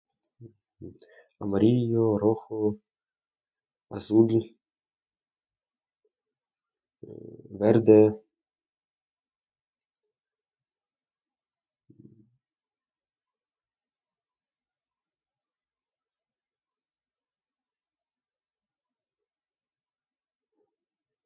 Amarillo, rojo, azul... verde